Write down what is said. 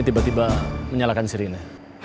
tiba tiba menyalahkan siri ini